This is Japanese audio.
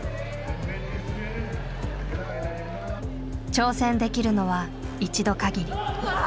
挑戦できるのは一度限り。